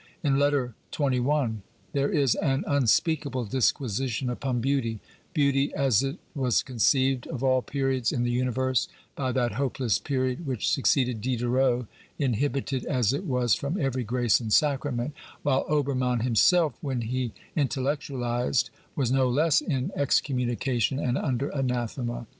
In Letter XXI. there is an unspeakable disquisition upon beauty — beauty as it was conceived, of all periods in the universe, by that hopeless period which succeeded Diderot, inhibited as it was from every grace and sacrament, while Obcrmann himself, when he intellectualised, was no less in excommunication and under anathema.